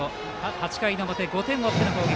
８回の表、５点を追っての攻撃。